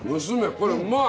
これうまい！